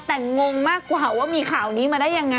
แต่งงมากกว่าว่ามีข่าวนี้มาได้ยังไง